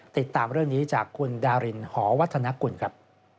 ติดตามเรื่องนี้จากคุณดารินหอวัฒนกุลครับ